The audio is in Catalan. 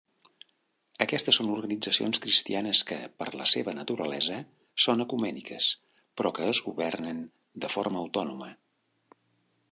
Aquestes són organitzacions cristianes que, per la seva naturalesa, són ecumèniques, però que es governen de forma autònoma.